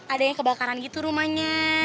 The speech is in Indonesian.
ada yang kebakaran gitu rumahnya